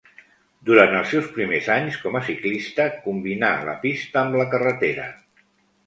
Durant els seus primers anys com a ciclista combinà la pista amb la carretera.